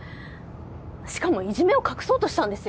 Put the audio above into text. しかもいじめを隠そうとしたんですよ。